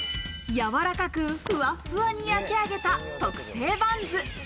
やわらかくフワフワに焼き上げた特製バンズ。